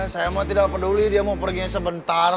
saya emang tidak peduli dia mau pergi sebentar